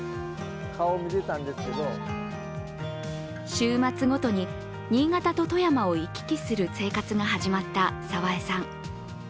週末ごとに新潟と富山を行き来する生活が始まった澤江さん。